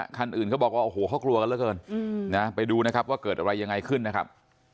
คันอื่นเขาบอกว่าโอ้โหเขากลัวกันแล้วเกินนะไปดูนะครับว่าเกิดอะไรยังไงขึ้นนะครับ